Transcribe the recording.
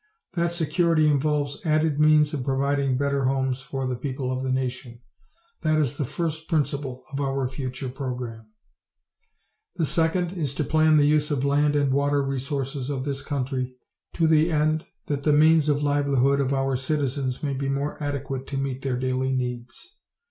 That security involves added means of providing better homes for the people of the nation. That is the first principle of our future program. The second is to plan the use of land and water resources of this country to the end that the means of livelihood of our citizens may be more adequate to meet their daily needs.